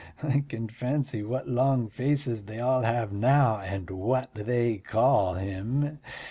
I can fancy what long faces they all have now, and what they call him.